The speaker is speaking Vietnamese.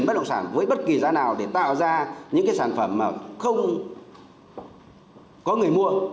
phát triển bất động sản với bất kỳ giá nào để tạo ra những sản phẩm mà không có người mua